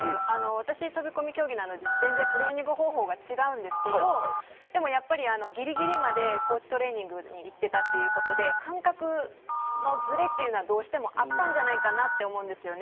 私は飛び込みなのでトレーニング方法は全然違うんですが、やっぱりぎりぎりまで高地トレーニングに行っていたということで、感覚のズレというのは、どうしてもあったんじゃないかなと思うんですよね。